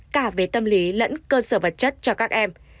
cả về tâm lý lẫn cơ sở vật chất cho các em